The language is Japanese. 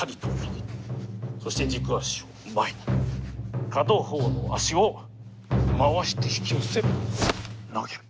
そして軸足を前に片方の足を回して引き寄せ投げる。